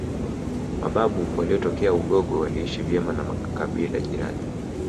Mababu waliotokea Ugogo waliishi vyema na makibila jirani